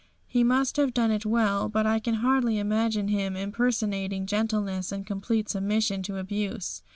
He must have done it well, but I can hardly imagine him impersonating gentleness and complete submission to abuse.